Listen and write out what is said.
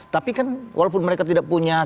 tapi kan walaupun mereka tidak punya